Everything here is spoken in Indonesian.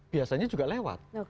biasanya juga lewat